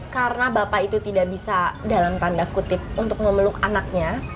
karena bapak itu tidak bisa dalam tanda kutip untuk memeluk anaknya